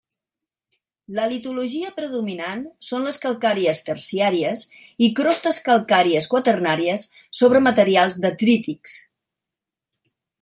La litologia predominant són les calcàries terciàries i crostes calcàries quaternàries sobre materials detrítics.